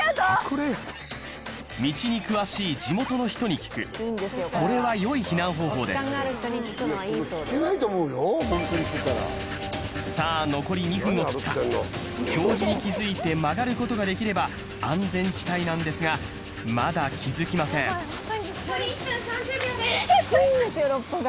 道に詳しい地元の人に聞くこれはよい避難方法ですさあ残り２分を切った標示に気づいて曲がることができれば安全地帯なんですがまだ気づきません残り１分３０秒ですえっ